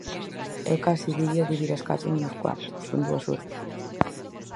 Eu case diría de vir ás catro menos cuarto, son dúas horas.